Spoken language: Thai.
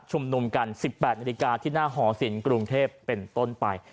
นุมกัน๑๘นาฬิกาที่หน้าหอศิลป์กรุงเทพเป็นต้นไป